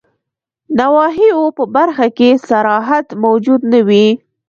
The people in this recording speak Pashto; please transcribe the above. نواهیو په برخه کي صراحت موجود نه وي.